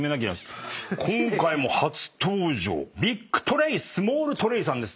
今回も初登場ビッグトレイスモールトレイさんです。